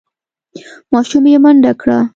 ماشوم یې منډه کړه.